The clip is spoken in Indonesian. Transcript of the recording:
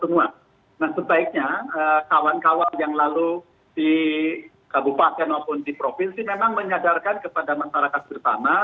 nah sebaiknya kawan kawan yang lalu di kabupaten maupun di provinsi memang menyadarkan kepada masyarakat bersama